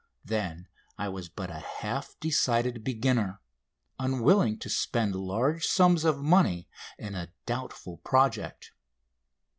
Then I was but a half decided beginner, unwilling to spend large sums of money in a doubtful project.